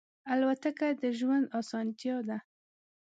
الوتکه د ژوند آسانتیا ده.